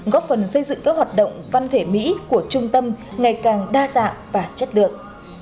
góp phần xây dựng các hoạt động văn thể mỹ của trung tâm ngày càng đa dạng và chất lượng